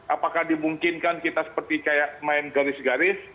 apakah dimungkinkan kita seperti kayak main garis garis